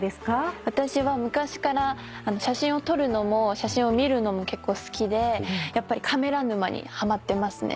私は昔から写真を撮るのも写真を見るのも結構好きでやっぱりカメラ沼にハマってますね。